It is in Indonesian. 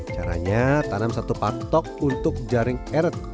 caranya tanam satu paktok untuk jaring eret